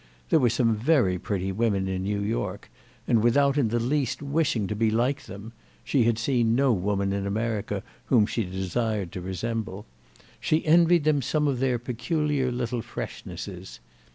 There were some very pretty women in New York, and without in the least wishing to be like them—she had seen no woman in America whom she desired to resemble—she envied them some of their peculiar little freshnesses.